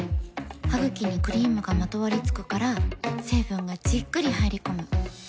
ハグキにクリームがまとわりつくから成分がじっくり入り込む。